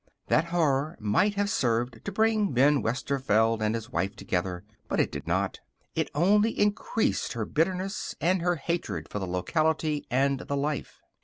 That horror might have served to bring Ben Westerveld and his wife together, but it did not. It only increased her bitterness and her hatred of the locality and the life.